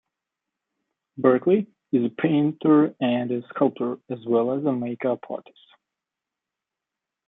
Berkeley is a painter and a sculptor, as well as a make-up artist.